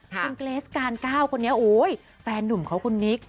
คุณเกรสก่านเก้าคนนี้แฟนนุ่มของคุณนิก